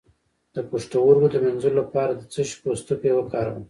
د پښتورګو د مینځلو لپاره د څه شي پوستکی وکاروم؟